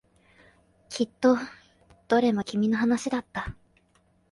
きっとどれも君の話だった。